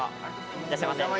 いらっしゃいませ。